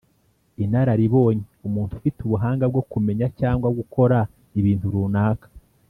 inararibonye: umuntu ufite ubuhanga bwo kumenya cyangwa gukora ibintu runaka